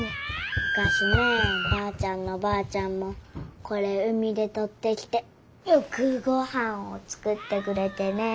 むかしねばあちゃんのばあちゃんもこれ海でとってきてよくごはんを作ってくれてね。